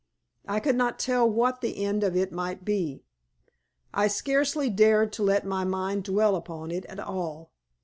I could not tell what the end of it might be. I scarcely dared to let my mind dwell upon it at all.